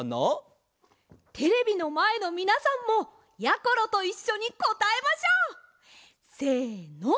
テレビのまえのみなさんもやころといっしょにこたえましょう！せの！